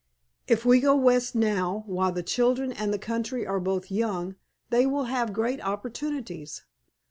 If we go west now, while the children and the country are both young they will have great opportunities.